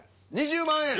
２０万円。